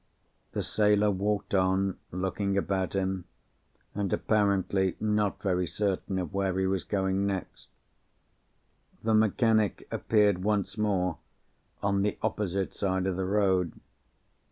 The sailor walked on, looking about him, and apparently not very certain of where he was going next. The mechanic appeared once more, on the opposite side of the road.